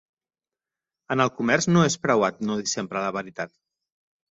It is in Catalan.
En el comerç no és preuat no dir sempre la veritat.